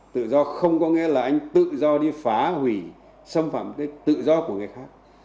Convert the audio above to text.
tự do không có nghĩa là anh tự do đi phá hủy xâm phạm cái tự do của người khác